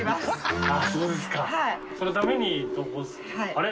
あれ？